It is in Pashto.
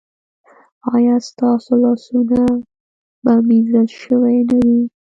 ایا ستاسو لاسونه به مینځل شوي نه وي؟